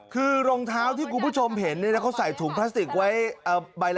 คือรองเท้าที่คุณผู้ชมเห็นเขาใส่ถุงพลาสติกไว้ใบละ